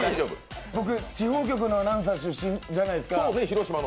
僕、地方局のアナウンサー出身じゃないですか。